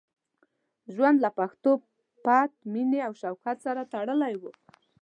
ژوند له پښتو، پت، مینې او شوکت سره تړلی وو.